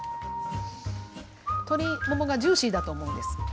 鶏ももがジューシーだと思うんです。